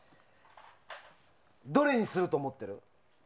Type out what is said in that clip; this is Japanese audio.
どれにすると思ってる？